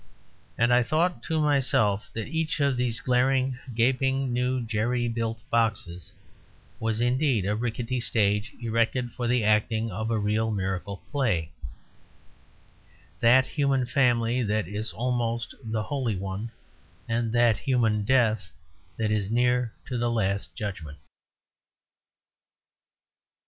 And I thought to myself that each of these glaring, gaping, new jerry built boxes was indeed a rickety stage erected for the acting of a real miracle play; that human family that is almost the holy one, and that human death that is near to the last judgment.